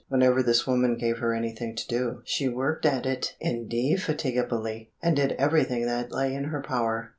Whenever this woman gave her anything to do, she worked at it indefatigably, and did everything that lay in her power.